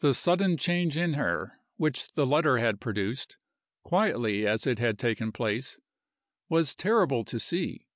The sudden change in her which the letter had produced quietly as it had taken place was terrible to see.